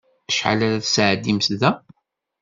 Acḥal ara tesεeddimt da?